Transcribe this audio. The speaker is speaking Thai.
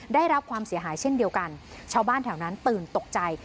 ได้รับความเสียหายเช่นเดียวกันชาวบ้านแถวนั้นตื่นตกใจ